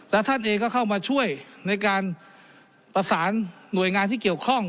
และท่านเองก็เข้ามาช่วยในการประสานหน่วยงานที่เกี่ยวข้อง